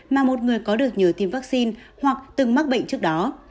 mà một người có được nhờ tiêm vaccine hoặc từng mắc bệnh trước đó